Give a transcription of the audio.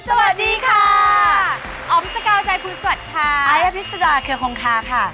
สวัสดีค่ะอ๋อมสกาวใจภูสวัสดิ์ค่ะไอ้อภิษฎาเครือคงคาค่ะ